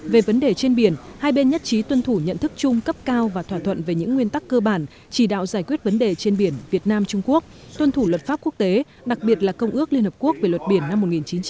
về vấn đề trên biển hai bên nhất trí tuân thủ nhận thức chung cấp cao và thỏa thuận về những nguyên tắc cơ bản chỉ đạo giải quyết vấn đề trên biển việt nam trung quốc tuân thủ luật pháp quốc tế đặc biệt là công ước liên hợp quốc về luật biển năm một nghìn chín trăm tám mươi hai